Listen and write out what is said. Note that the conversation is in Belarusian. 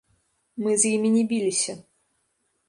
Мы з імі не біліся.